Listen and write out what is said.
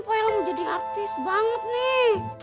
poyelem mau jadi artis banget nih